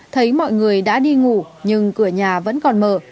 thấy mọi người đã đi ngủ nhưng cửa nhà vẫn còn mở